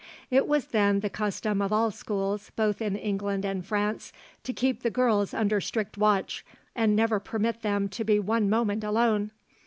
It was then the custom of all schools both in England and France to keep the girls under strict watch, and never permit them to be one moment alone.